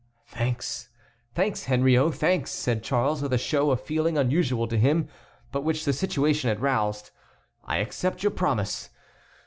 "Thanks, Henriot, thanks!" said Charles, with a show of feeling unusual in him, but which the situation had roused, "I accept your promise.